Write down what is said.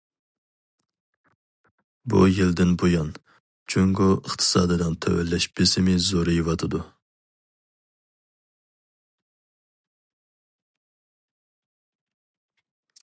بۇ يىلدىن بۇيان، جۇڭگو ئىقتىسادىنىڭ تۆۋەنلەش بېسىمى زورىيىۋاتىدۇ.